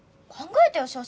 考えてよ